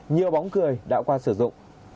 nhiều bóng cười đã qua sử dụng